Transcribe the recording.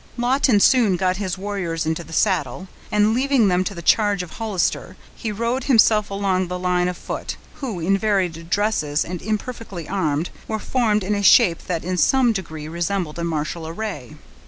Lawton soon got his warriors into the saddle; and leaving them to the charge of Hollister, he rode himself along the line of foot, who, in varied dresses, and imperfectly armed, were formed in a shape that in some degree resembled a martial array.